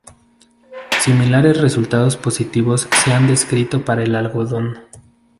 Similares resultados positivos se han descrito para el algodón.